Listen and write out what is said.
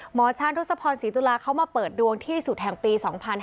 หมอช้างทศพรศรีตุลาเขามาเปิดดวงที่สุดแห่งปี๒๕๕๙